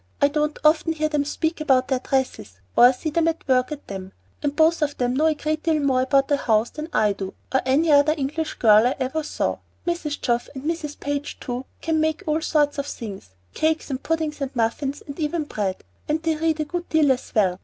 I don't often hear them speak about dresses, or see them at work at them; and both of them know a great deal more about a house than I do, or any other English girl I ever saw. Mrs. Geoff, and Mrs. Page too, can make all sorts of things, cakes and puddings and muffins and even bread; and they read a good deal as well.